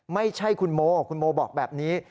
ไม่ใช่คุณโมคุณโมบอกแบบนี้